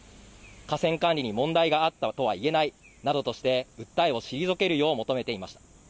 河川管理に問題があったとは言えないなどとして訴えを退けるよう求めていました。